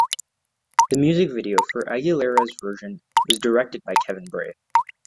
The music video for Aguilera's version was directed by Kevin Bray.